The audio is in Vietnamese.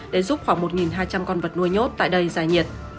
để giúp khoảng một hai trăm linh con vật nuôi nhốt tại đây giải nhiệt